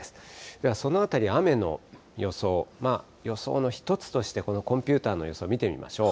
では、そのあたり、雨の予想、予想の１つとして、このコンピューターの予想見てみましょう。